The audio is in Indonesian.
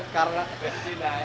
karena bencin naik